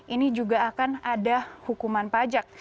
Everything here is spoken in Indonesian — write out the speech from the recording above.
ini juga akan ada hukuman pajak